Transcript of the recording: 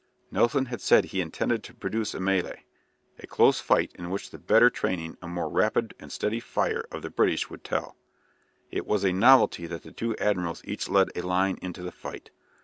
Nelson had said he intended to produce a mêlée, a close fight in which the better training and the more rapid and steady fire of the British would tell. It was a novelty that the two admirals each led a line into the fight.